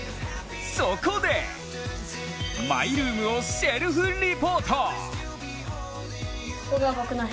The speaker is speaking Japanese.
そこでマイルームをセルフリポート。